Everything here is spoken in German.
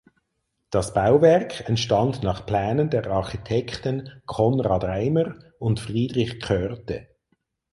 Das Bauwerk entstand nach Plänen der Architekten Konrad Reimer und Friedrich Körte.